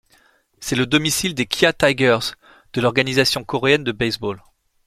C'est le domicile des Kia Tigers de l'Organisation coréenne de baseball.